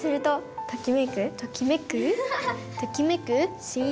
ときめく？